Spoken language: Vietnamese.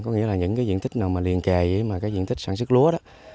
có nghĩa là những diện tích nào liền kề với diện tích sản xuất lúa